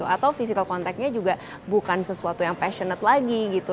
atau physical contactnya juga bukan sesuatu yang passionate lagi gitu